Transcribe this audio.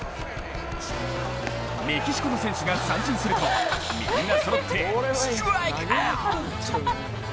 メキシコの選手が三振するとみんなそろってストライクアウト